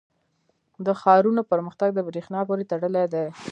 • د ښارونو پرمختګ د برېښنا پورې تړلی دی.